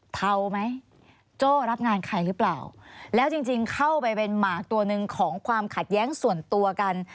เทาไหมโจ้รับงานใครหรือเปล่าแล้วจริงจริงเข้าไปเป็นหมากตัวหนึ่งของความขัดแย้งส่วนตัวกัน